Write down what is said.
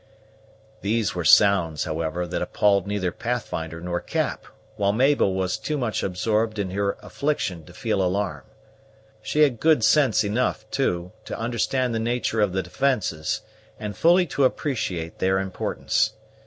These were sounds, however, that appalled neither Pathfinder nor Cap, while Mabel was too much absorbed in her affliction to feel alarm. She had good sense enough, too, to understand the nature of the defences, and fully to appreciate their importance.